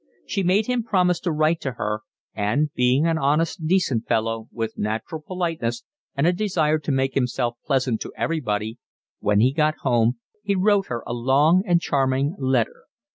She made him promise to write to her, and, being an honest, decent fellow, with natural politeness and a desire to make himself pleasant to everybody, when he got home he wrote her a long and charming letter.